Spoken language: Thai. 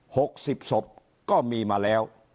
หกสิบศพก็มีมาแล้ว